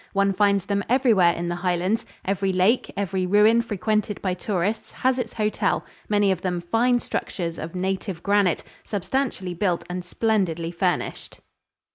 One finds them everywhere in the Highlands. Every lake, every ruin frequented by tourists has its hotel, many of them fine structures of native granite, substantially built and splendidly furnished.